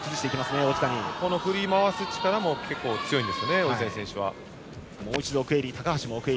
振り回す力も結構強いんですよね、王子谷選手。